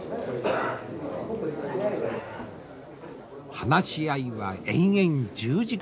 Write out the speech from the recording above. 話し合いは延々１０時間。